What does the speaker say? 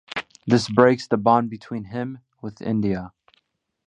This breaks the bond between him with India.